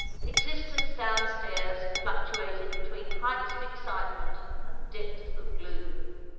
Existence downstairs fluctuated between heights of excitement and depths of gloom.